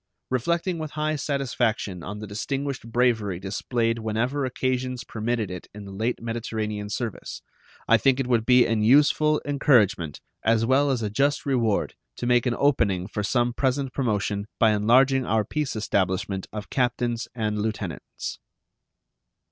Reflecting with high satisfaction on the distinguished bravery displayed whenever occasions permitted it in the late Mediterranean service, I think it would be an useful encouragement as well as a just reward to make an opening for some present promotion by enlarging our peace establishment of captains and lieutenants.